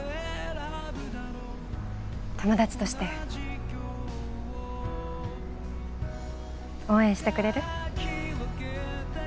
友達として応援してくれる？